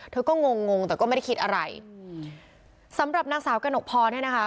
เธอก็งงงงแต่ก็ไม่ได้คิดอะไรอืมสำหรับนางสาวกระหนกพรเนี่ยนะคะ